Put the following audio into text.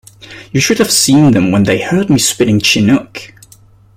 You should have seen them when they heard me spitting Chinook.